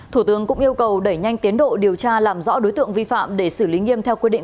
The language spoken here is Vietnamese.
thủ tướng cũng yêu cầu đẩy nhanh tiến độ điều tra làm rõ đối tượng vi phạm để xử lý nghiêm theo quy định